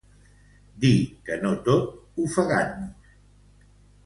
Dir que no tot ofegant-nos.